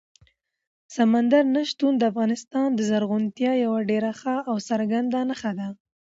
سمندر نه شتون د افغانستان د زرغونتیا یوه ډېره ښه او څرګنده نښه ده.